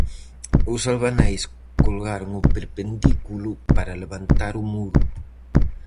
Os albaneis colgaron o perpendículo para levantar o muro.